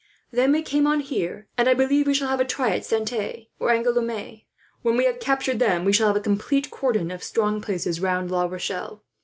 Then we came on here, and I believe we shall have a try at Saintes or Angouleme. When we have captured them, we shall have a complete cordon of strong places round La Rochelle.